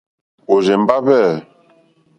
Òrzèmbá hwɛ̂.